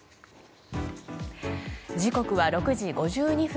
時刻は６時５２分。